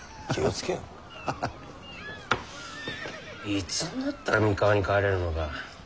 いつになったら三河に帰れるのか。